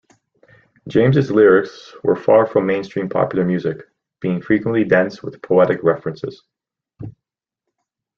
James' lyrics were far from mainstream popular music, being frequently dense with poetic references.